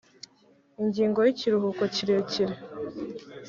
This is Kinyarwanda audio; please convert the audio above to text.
ingingo y ikiruhuko kirekire